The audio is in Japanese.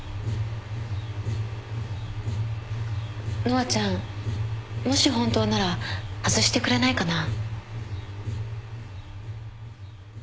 乃愛ちゃんもし本当なら外してくれないかな？